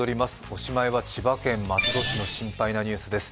おしまいは千葉県松戸市の心配なニュースです。